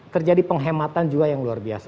terjadi penghematan juga yang luar biasa